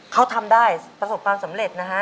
เขาทำได้ประสบความสำเร็จนะฮะ